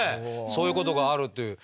そういうことがあるという。